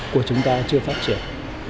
của chúng ta chưa phát triển